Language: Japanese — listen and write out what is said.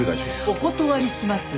お断りします。